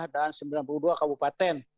dan sembilan puluh dua kabupaten